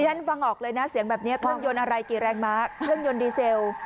ฉันฟังออกเลยนะเสียงแบบนี้เครื่องยนต์อะไรกี่แรงมาร์คเครื่องยนต์ดีเซล